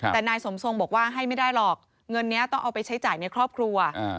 แต่นายสมทรงบอกว่าให้ไม่ได้หรอกเงินนี้ต้องเอาไปใช้จ่ายในครอบครัว